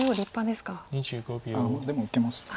でも受けました。